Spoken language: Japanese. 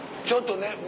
ちょっとね。